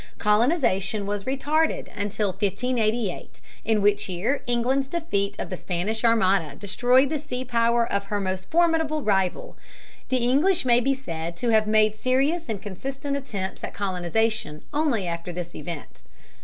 Colonization was retarded until 1588, in which year England's defeat of the Spanish Armada destroyed the sea power of her most formidable rival. The English may be said to have made serious and consistent attempts at colonization only after this event.